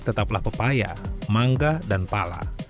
tetaplah pepaya mangga dan pala